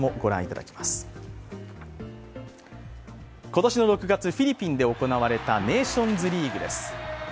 今年の６月、フィリピンで行われたネーションズリーグです。